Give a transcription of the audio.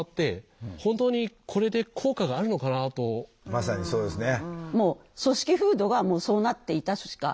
まさにそうですね。